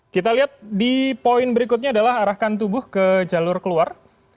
kita lihat di poin berikutnya adalah arahkan tubuh ke jalur keluar